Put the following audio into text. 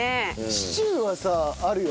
シチューはさあるよね。